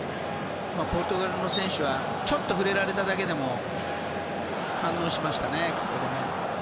ポルトガルの選手はちょっと触れられただけでも反応しましたね。